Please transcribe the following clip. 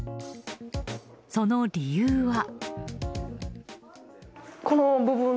その理由は。